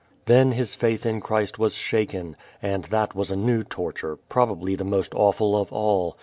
Then his faith in Christ was shaken, and that was a new torture, probably the most awful of all.